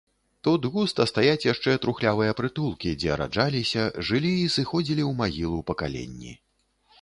Тут густа стаяць яшчэ трухлявыя прытулкі, дзе раджаліся, жылі і сыходзілі ў магілу пакаленні.